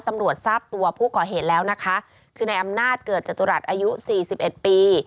ตำรวจทราบตัวผู้ก่อเหตุแล้วนะคะคือในอำนาจเกิดจตุรัสตร์อายุ๔๑ปี